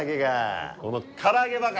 この空揚げばか！